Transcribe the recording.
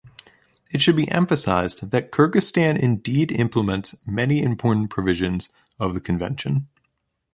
It should be emphasized that Kyrgyzstan indeed implements many important provisions of the Convention.